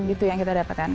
itu yang kita dapatkan